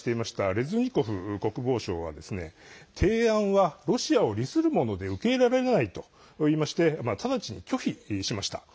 レズニコフ国防相は提案はロシアを利するもので受け入れられないと言いまして直ちに拒否しました。